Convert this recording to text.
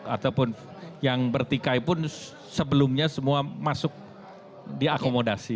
ataupun yang bertikai pun sebelumnya semua masuk diakomodasi